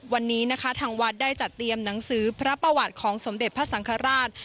วันนี้นะคะทางวัดได้จัดเตรียมหนังสือพระประวัติของสมเด็จพระสังฆราช